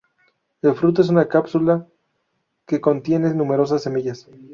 El fruto es una cápsula que contiene numerosas semillas.